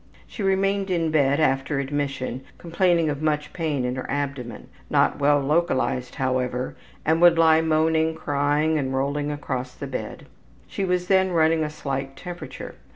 She remained in bed after admission, complaining of much pain in her abdomen, not well localized however, and would lie moaning, crying, and rolling across the bed. She was then running a slight temperature.